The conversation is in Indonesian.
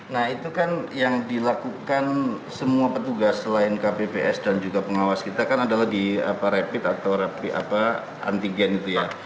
nah itu kan yang dilakukan semua petugas selain kpps dan juga pengawas kita kan adalah di rapid atau antigen itu ya